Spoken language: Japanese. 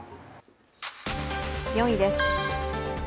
４位です。